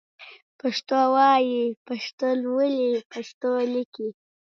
پښتو وايئ ، پښتو لولئ ، پښتو ليکئ